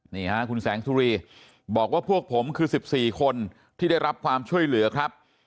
นี่ฮะคุณแสงสุรีบอกว่าพวกผมคือ๑๔คนที่ได้รับความช่วยเหลือครับ